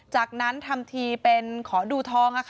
จากนั้นทำทีเป็นขอดูทอง